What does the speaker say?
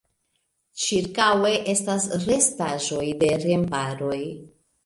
Ĉirkaŭe estas restaĵoj de remparoj.